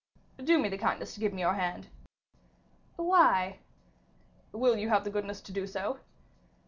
"Do me the kindness to give me your hand." "Why?" "Will you have the goodness to do so?"